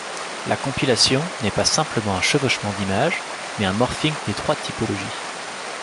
La compilation n'est pas simplement un chevauchement d'images mais un morphing des trois typologies.